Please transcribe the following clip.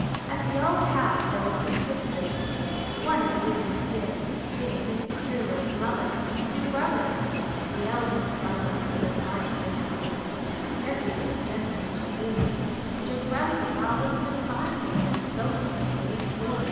At the Old House there were some sisters one is living still, being Mr. Truro's mother and two brothers. The eldest brother was a nice gentleman, just everything a gentleman should be, and your grandpapa was delighted when he spoke to him for Miss Queenie.